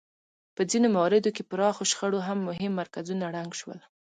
په ځینو مواردو کې پراخو شخړو مهم مرکزونه ړنګ شول.